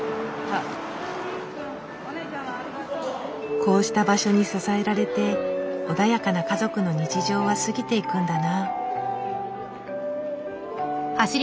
こうした場所に支えられて穏やかな家族の日常は過ぎていくんだな。